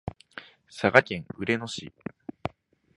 佐賀県嬉野市